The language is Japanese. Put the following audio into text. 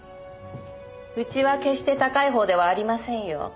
うちは決して高いほうではありませんよ。